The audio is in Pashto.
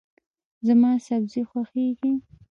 زما سبزي خوښیږي.